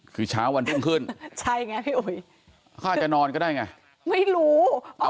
คือเช้าวันพรุ่งขึ้นใช่ไงพี่อุ๋ยเขาอาจจะนอนก็ได้ไงไม่รู้